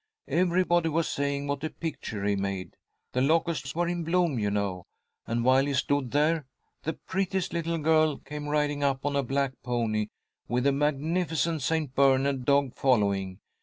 Everybody was saying what a picture he made. The locusts were in bloom, you know. And while he stood there, the prettiest little girl came riding up on a black pony, with a magnificent St. Bernard dog following.